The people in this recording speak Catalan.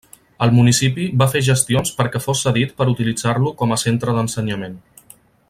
El municipi va fer gestions perquè fos cedit per utilitzar-lo com a centre d'ensenyament.